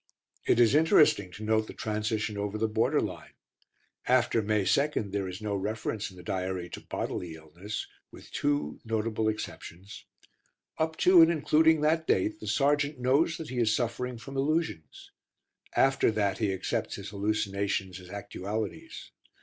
It is interesting to note the transition over the border line. After May 2 there is no reference in the diary to bodily illness, with two notable exceptions. Up to and including that date the sergeant knows that he is suffering from illusions; after that he accepts his hallucinations as actualities.